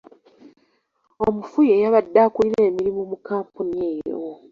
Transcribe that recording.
Omufu ye yabadde akulira emirimu mu kkampuni eyo.